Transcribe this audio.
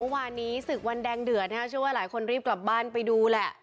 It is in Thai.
เมื่อวานนี้ศึกวันแดงเดือดชื่อว่าหลายคนรีบกลับบ้านไปดูแหละ